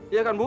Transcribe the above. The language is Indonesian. iya kan bu